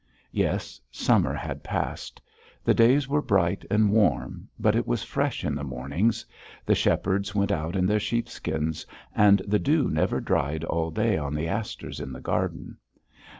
Yes. Summer had passed. The days were bright and warm, but it was fresh in the mornings; the shepherds went out in their sheepskins, and the dew never dried all day on the asters in the garden.